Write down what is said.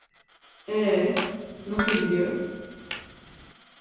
Ee, nasıl gidiyor?